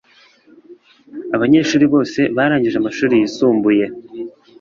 Abanyeshuri bose barangije amashuri yisumbuye